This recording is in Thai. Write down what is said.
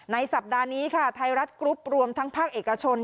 สัปดาห์นี้ค่ะไทยรัฐกรุ๊ปรวมทั้งภาคเอกชน